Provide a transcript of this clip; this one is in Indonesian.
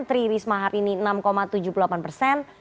tri risma hari ini enam tujuh puluh delapan persen